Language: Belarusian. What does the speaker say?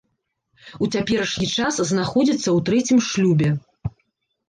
У цяперашні час знаходзіцца ў трэцім шлюбе.